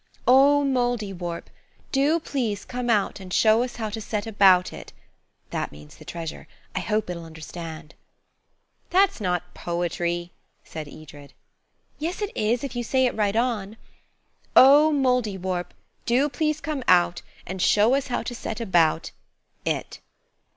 –'Oh, Mouldiwarp, do please come out and show us how to set about it'–that means the treasure. I hope it'll understand." "That's not poetry," said Edred. "Yes, it is, if you say it right on– "'Oh, Mouldiwarp, do please come out And show us how to set about It.'"